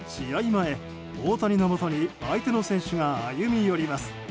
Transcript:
前、大谷のもとに相手の選手が歩み寄ります。